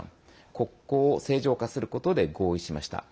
国交を正常化することで合意しました。